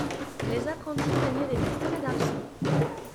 Les apprentis maniaient des pistolets d'arçon.